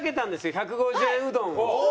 １５０円うどんを。